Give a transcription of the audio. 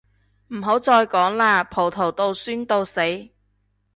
唔好再講喇，葡萄到酸到死